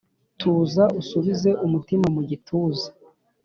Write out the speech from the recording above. tuza usubize umutima mu gituza